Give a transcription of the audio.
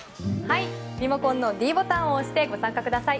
リモコンのｄボタンを押してご参加ください。